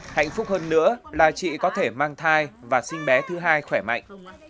hạnh phúc hơn nữa là chị có thể mang thai và sinh bé thứ hai khỏe mạnh